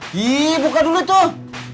hii buka dulu tuh